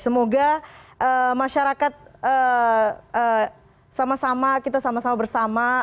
semoga masyarakat sama sama kita sama sama bersama